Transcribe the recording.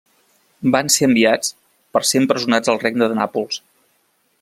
Van ser enviats per ser empresonats al Regne de Nàpols.